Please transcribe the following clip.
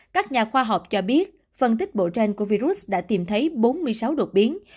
các nhà khoa học cho biết phân tích bộ gen của virus đã tìm thấy bốn mươi sáu đột biến